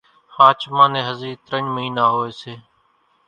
ۿاچمان نين ھزي ترڃ مئينا ھوئي سي